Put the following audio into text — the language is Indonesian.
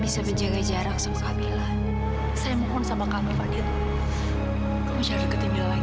sampai jumpa di video selanjutnya